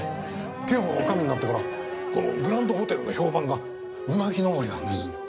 啓子が女将になってからこのグランドホテルの評判がうなぎ登りなんです。